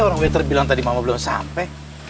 orang waiter bilang tadi mama belum sampe